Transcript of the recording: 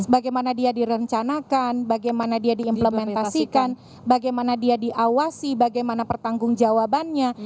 bagaimana dia direncanakan bagaimana dia diimplementasikan bagaimana dia diawasi bagaimana pertanggung jawabannya